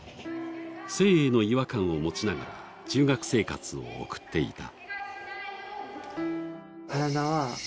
性への違和感を持ちながら中学生活を送っていた。